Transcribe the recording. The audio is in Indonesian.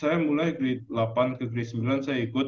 saya mulai grade delapan ke grace sembilan saya ikut